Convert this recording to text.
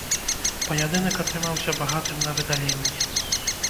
Паядынак атрымаўся багатым на выдаленні.